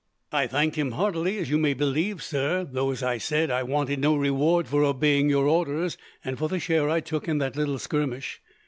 "I thanked him heartily, as you may believe, sir; though, as I said, I wanted no reward for obeying your orders, and for the share I took in that little skirmish.